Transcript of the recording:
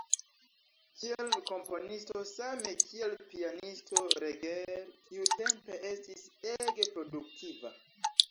Kiel komponisto same kiel pianisto Reger tiutempe estis ege produktiva.